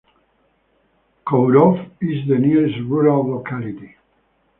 Kovrov is the nearest rural locality.